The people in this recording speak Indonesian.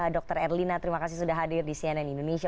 dr erlina terima kasih sudah hadir di cnn indonesia